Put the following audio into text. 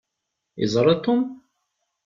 Yeẓṛa Tom?